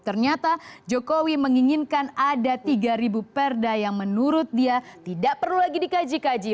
ternyata jokowi menginginkan ada tiga perda yang menurut dia tidak perlu lagi dikaji kaji